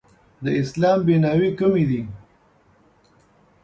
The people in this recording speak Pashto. د اسلام بیناوې کومې دي؟